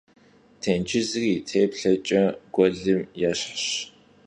Têncızri yi têplheç'e guelım yêşhş.